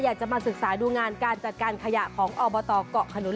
อยากจะมาศึกษาดูงานการจัดการขยะของอบตเกาะขนุน